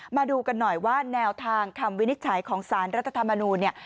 มาดูกันหน่อยว่าแนวทางคำวินิจฉัยของสารรัฐธรรมนูลเนี่ย